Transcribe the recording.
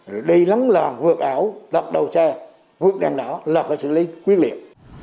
rồi đi lắng làng vượt ảo lọc đầu xe vượt đèn đỏ là có xử lý quyết liệu